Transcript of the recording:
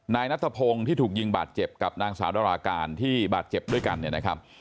นายนัทพงศ์ที่ถูกยิงบาดเจ็บกับนางสาวดาราการที่บาดเจ็บด้วยกันเนี่ยนะครับ